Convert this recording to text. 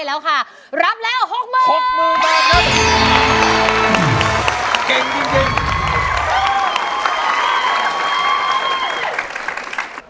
เวลาสุขร้องร้ายนานมันคือสุขชีวิต